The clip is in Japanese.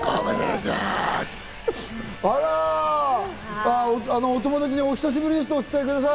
あら、お友達にお久しぶりですとお伝えください。